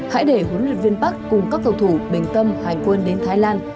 hãy để huấn luyện viên park cùng các cầu thủ bình tâm hành quân đến thái lan